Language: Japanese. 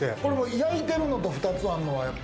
焼いたのと２つあるのは？